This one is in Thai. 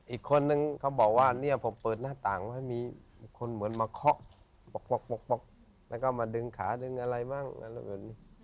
อีกคนนึงเขาบอกว่าเนี่ยผมเปิดหน้าต่างไว้มีคนเหมือนมาเคาะป๊อกแล้วก็มาดึงขาดึงอะไรบ้างอะไรอื่น